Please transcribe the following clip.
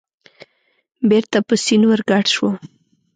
بېرته په سیند ورګډ شوم.